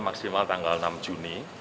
maksimal tanggal enam juni